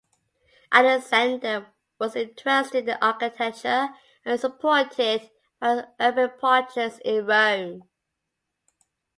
Alexander was interested in architecture and supported various urban projects in Rome.